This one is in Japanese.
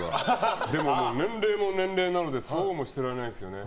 でも年齢も年齢なのでそうもしてられないですね。